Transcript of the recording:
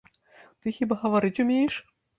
Ты хіба гаварыць умееш?